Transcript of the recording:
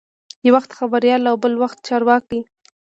یو وخت خبریال او بل وخت چارواکی.